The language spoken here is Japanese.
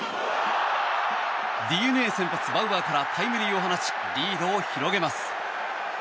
ＤｅＮＡ先発、バウアーからタイムリーを放ちリードを広げます。